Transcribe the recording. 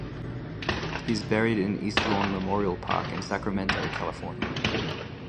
He is buried in East Lawn Memorial Park in Sacramento, California.